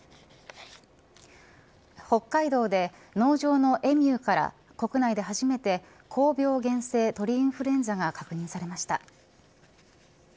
北海道で農場のエミューから国内で初めて高病原性鳥インフルエンザが確認されました。